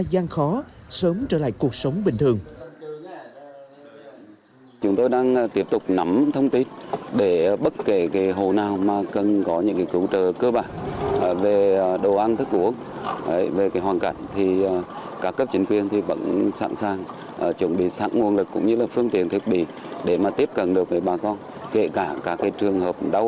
vượt qua gian khó sớm trở lại cuộc sống bình thường